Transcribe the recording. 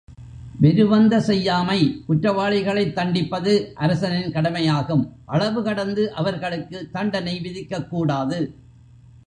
வெருவந்த செய்யாமை குற்றவாளிகளைத் தண்டிப்பது அரசனின் கடமை யாகும் அளவுகடந்து அவர்களுக்கு தண்டனை விதிக்கக் கூடாது.